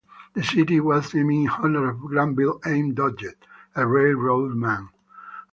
The city was named in honor of Granville M. Dodge, a railroad man.